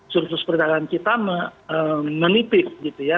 surplus perjalanan kita menipis gitu ya